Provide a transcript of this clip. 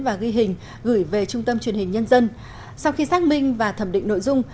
và ghi hình gửi về trung tâm truyền hình nhân dân sau khi xác minh và thẩm định nội dung